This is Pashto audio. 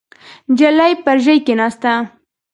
نجلۍ پر ژۍ کېناسته.